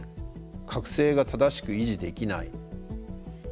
覚醒が正しく維持できない。